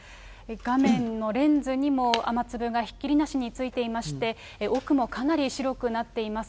画面のレンズにも雨粒がひっきりなしについていまして、奥もかなり白くなっています。